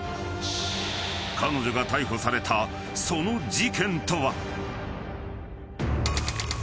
［彼女が逮捕されたその事件とは？］